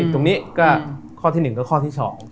ตรงนี้ก็ข้อที่หนึ่งก็ข้อที่สอง